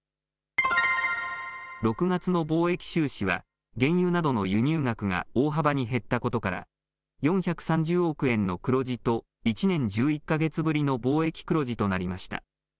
６月の貿易収支は原油などの輸入額が大幅に減ったことから４３０億円の黒字と１年１１か月ぶりの貿易黒字となりました。